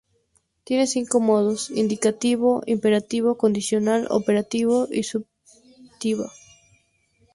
Tiene cinco modos: indicativo, imperativo, condicional, optativo y subjuntivo.